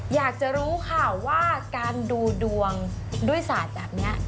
อยากจะรู้ค่ะว่าการดูดวงด้วยศาสตร์แบบนี้